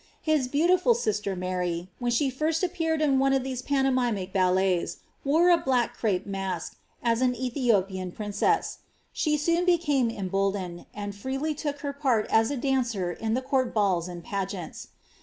His beautiful sister Maiy, when she first ai^nucd in one of these pantomimic ballets, wore a black crepe mask, ai as Ethiopian princess. She soon became emboldened, and freely look her part as a dancer in the court balls and pageants.